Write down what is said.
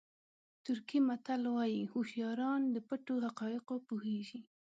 ترکي متل وایي هوښیاران د پټو حقایقو پوهېږي.